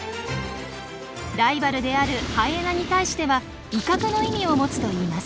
ライバルであるハイエナに対しては威嚇の意味を持つといいます。